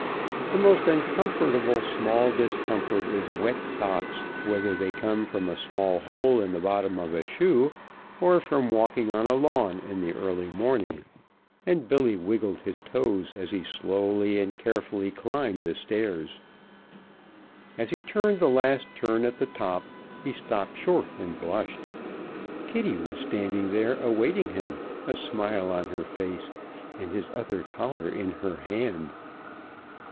The most uncomfortable small discomfort is wet socks, whether they come from a small hole in the bottom of a shoe or from walking on a lawn in the early morning, and Billy wiggled his toes as he slowly and carefully climbed the stairs. As he turned the last turn at the top he stopped short and blushed. Kitty was standing there awaiting him, a smile on her face and his other collar in her hand.